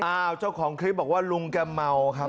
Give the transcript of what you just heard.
เจ้าของคลิปบอกว่าลุงแกเมาครับ